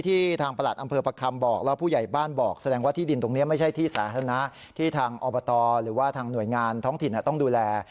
ที่ทางอบตหรือว่าทางหน่วยงานท้องถิ่นต้องดูแล